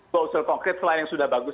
bau sel konkret selain yang sudah bagus